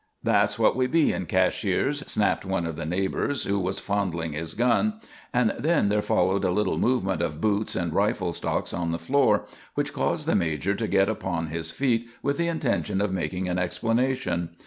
"That's what we be in Cashiers," snapped one of the neighbors, who was fondling his gun; and then there followed a little movement of boots and rifle stocks on the floor, which caused the major to get upon his feet with the intention of making an explanation.